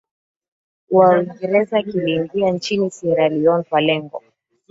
wa Uingereza kiliingia nchini Sierra Leon kwa lengo